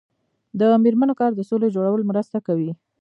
د میرمنو کار د سولې جوړولو مرسته کوي.